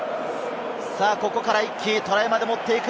ここから一気にトライまで持っていく！